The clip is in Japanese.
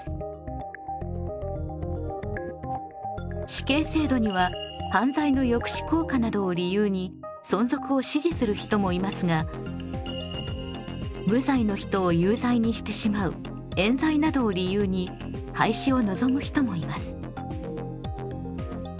死刑制度には犯罪の抑止効果などを理由に存続を支持する人もいますが無罪の人を有罪にしてしまう冤罪などを理由に廃止を望む人もいます。